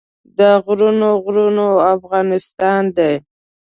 دا غرونه غرونه افغانستان دی.